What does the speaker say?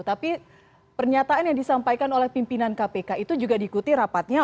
tapi pernyataan yang disampaikan oleh pimpinan kpk itu juga diikuti rapatnya